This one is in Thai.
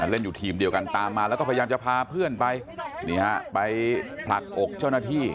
เล่นอยู่ทีมเดียวกันตามมาแล้วก็พยายามจะพาเพื่อนไปนี่ฮะไปผลักอกเจ้าหน้าที่